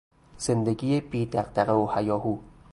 زندگی بی دغدغه و هیاهو